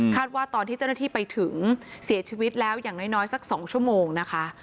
ว่าตอนที่เจ้าหน้าที่ไปถึงเสียชีวิตแล้วอย่างน้อยสัก๒ชั่วโมงนะคะ